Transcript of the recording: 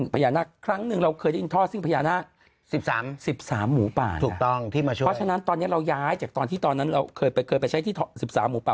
เพราะฉะนั้นตอนนี้เราย้ายจากเคยไปใช้ที่๑๓หมู่ป่าห์